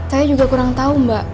saya juga kurang tahu mbak